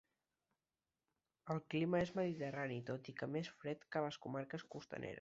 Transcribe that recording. El clima és mediterrani, tot i que més fred que a les comarques costaneres.